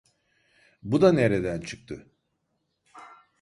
Bu da nereden çıktı?